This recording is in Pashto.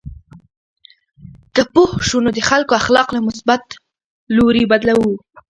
که پوه شو، نو د خلکو اخلاق له مثبت لوري بدلوو.